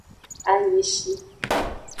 Anyishi.